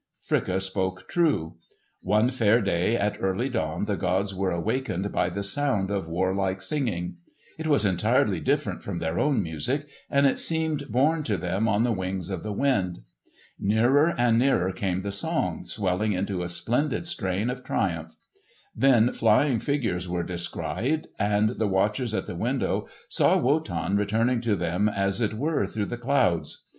Fricka spoke true. One fair day at early dawn the gods were awakened by the sound of war like singing. It was entirely different from their own music, and it seemed borne to them on the wings of the wind. Nearer and nearer came the song, swelling into a splendid strain of triumph. Then flying figures were descried, and the watchers at the window saw Wotan returning to them as it were through the clouds.